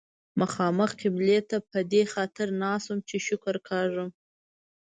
مخامخ قبلې ته په دې خاطر ناست وم چې شکر کاږم.